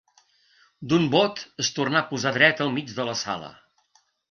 D'un bot es tornà a posar dreta al mig de la sala.